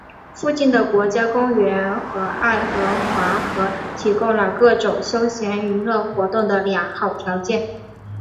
附近的国家公园和爱荷华河提供了各种休闲娱乐活动的良好条件。